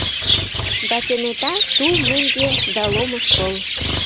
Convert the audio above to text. Да кенета — тул меҥге да ломыж пыл.